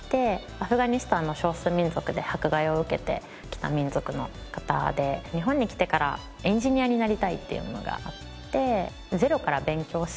アフガニスタンの少数民族で迫害を受けてきた民族の方で日本に来てからエンジニアになりたいっていうのがあってゼロから勉強して。